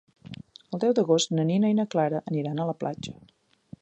El deu d'agost na Nina i na Clara aniran a la platja.